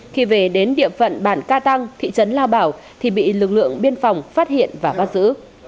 khi về đến địa phận bản ca tăng thị trấn lao bảo thì bị lực lượng biên phòng phát hiện và bắt giữ